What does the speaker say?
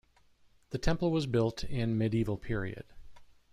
The temple was built in medieval period.